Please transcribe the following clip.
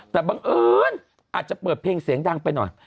แต่บังเอิญอาจจะเปิดเพลงเสียงดังไปหน่อย